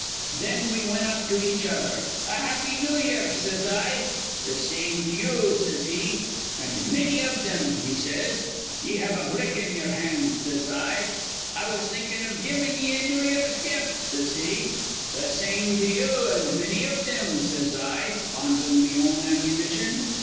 Thin we wint up to each other. 'A Happy New Year,' says I. 'Th' same to you,' says he, 'an' manny iv thim,' he says. 'Ye have a brick in ye'er hand,' says I. 'I was thinkin' iv givin' ye a New Year's gift,' says he. 'Th' same to you, an' manny iv thim,' says I, fondlin' me own ammunition.